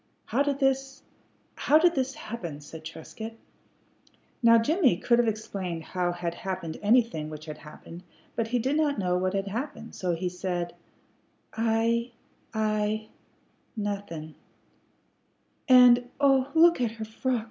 "How did this how did this happen?" said Trescott. Now Jimmie could have explained how had happened anything which had happened, but he did not know what had happened, so he said, "I I nothin'." "And, oh, look at her frock!"